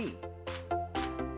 pulau ini tidak berpenghuni